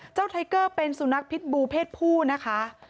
ไทเกอร์เป็นสุนัขพิษบูเพศผู้นะคะ